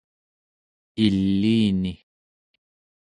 iliini